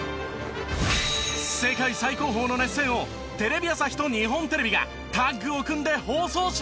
世界最高峰の熱戦をテレビ朝日と日本テレビがタッグを組んで放送します！